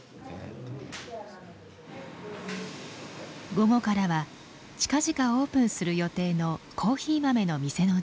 午後からは近々オープンする予定のコーヒー豆の店の準備。